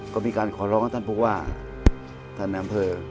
ก็มีการขอร้องท่านผู้ว่าท่านอำเภอ